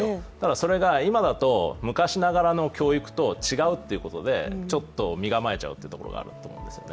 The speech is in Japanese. それが今だと昔ながらの教育と違うというところでちょっと身構えちゃうというところがありますよね。